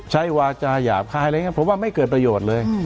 วาจาหยาบคายอะไรอย่างนี้ผมว่าไม่เกิดประโยชน์เลย